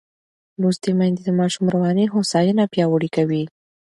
لوستې میندې د ماشوم رواني هوساینه پیاوړې کوي.